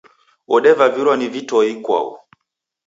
Odevavirwa ni vitoe ikwau.